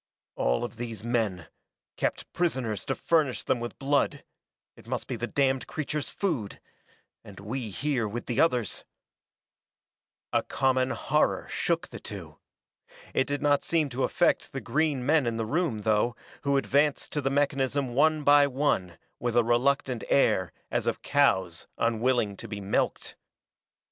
"All of these men kept prisoners to furnish them with blood. It must be the damned creatures' food! And we here with the others " A common horror shook the two. It did not seem to affect the green men in the room, though, who advanced to the mechanism one by one with a reluctant air as of cows unwilling to be milked.